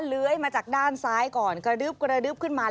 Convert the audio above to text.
เล้ยมาจากด้านซ้ายก่อนกระดืบขึ้นมา